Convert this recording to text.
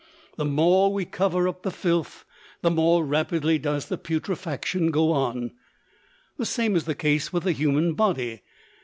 The more we cover up the filth, the more rapidly does putrefaction go on. The same is the case with the human body.